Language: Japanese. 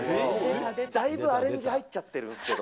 だいぶアレンジ入っちゃってるんですけど。